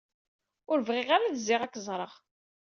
Ur bɣiɣ ara ad zziɣ ad k-ẓreɣ.